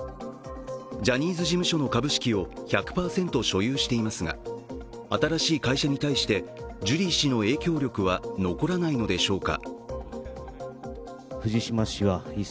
ジャニーズ事務所の株式を１００％所有していますが、新しい会社に対してジュリー氏の影響力は残らないのでしょうか。